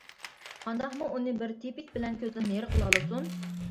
قانداقمۇ ئۇنى بىر تىپىك بىلەن كۆزدىن نېرى قىلالىسۇن؟ !